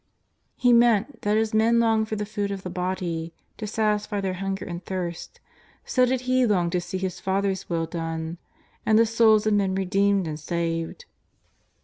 He meant that as men long for the food of the body to satisfy their hunger and thirst, so did He long to see His Father's Will done, and the souls of men redeemed and saved.